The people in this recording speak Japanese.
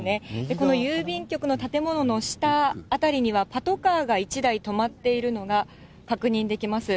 この郵便局の建物の下辺りには、パトカーが１台止まっているのが確認できます。